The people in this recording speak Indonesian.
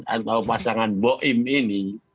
atau pasangan boim ini